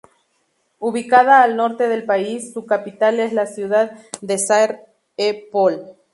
Ubicada al norte del país, su capital es la ciudad de Sar-e Pol.